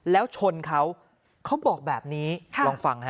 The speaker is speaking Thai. แล้วชนเขาเขาบอกแบบนี้ลองฟังฮะ